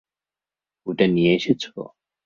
ওটা নিয়ে এসেছ?